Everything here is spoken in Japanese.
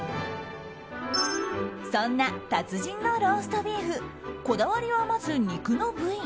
そんな達人のローストビーフこだわりはまず、肉の部位。